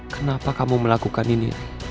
kenapa kamu melakukan ini